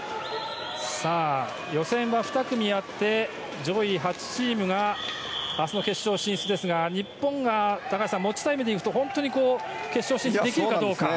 予選は２組あって上位８チームが明日の決勝進出ですが日本は高橋さん持ちタイムでいくと本当に決勝進出できるかどうか。